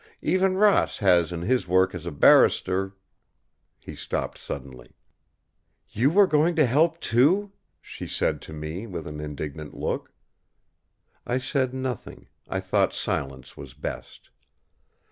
Even Ross has in his work as a barrister..." He stopped suddenly. "You were going to help too!" she said to me, with an indignant look. I said nothing; I thought silence was best.